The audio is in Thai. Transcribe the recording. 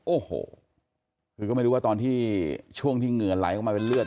โอ้โหคือก็ไม่รู้ว่าตอนที่ช่วงที่เหงื่อไหลออกมาเป็นเลือด